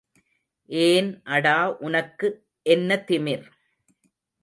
ஏன் அடா உனக்கு என்ன திமிர்?